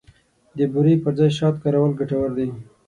د بوري پر ځای شات کارول ګټور دي.